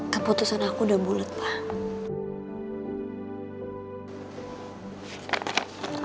keputusan aku udah bulet lah